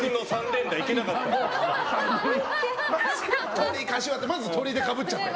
鶏、かしわってまず鶏でかぶっちゃって。